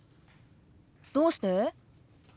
どうして？